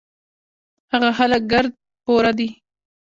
هغه خلک ګړد پوره دي